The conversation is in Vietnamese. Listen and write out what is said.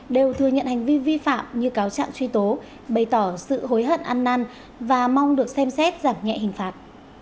đều thừa nhận hành vi vi phạm như cáo trạng truy tố bày tỏ sự hối hận ăn năn và mong được xem xét giảm nhẹ hình phạt